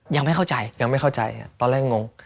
ยังไม่เข้าใจยังไม่เข้าใจตอนแรกงง